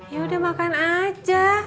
yaudah makan aja